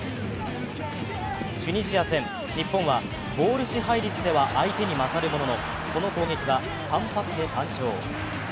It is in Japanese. チュニジア戦、日本はボール支配率では相手に勝るものの、その攻撃は単発で単調。